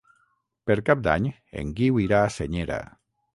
Per Cap d'Any en Guiu irà a Senyera.